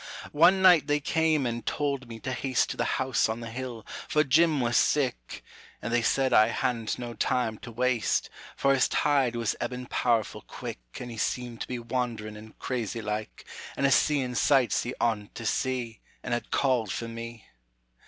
One night they came and told me to haste To the house on the hill, for Jim was sick, And they said I hadn't no time to waste, For his tide was ebbin' powerful quick An' he seemed to be wand'rin' and crazy like, An' a seein' sights he oughtn't to see, An' had called for me.